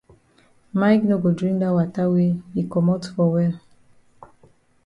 Mike no go drink dat wata wey yi komot for well.